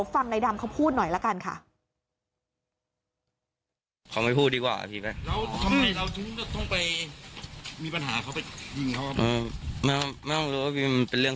วันนั้นเรากะเอาเขาถึงตายผมไปผมไปก่อนพี่เราอาฆาตแค้น